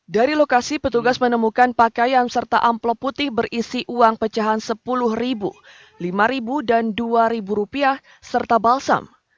dari lokasi petugas menemukan pakaian serta amplop putih berisi uang pecahan rp sepuluh rp lima dan rp dua serta balsam